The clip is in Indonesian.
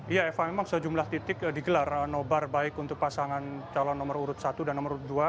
iya eva memang sejumlah titik digelar nobar baik untuk pasangan calon nomor urut satu dan nomor dua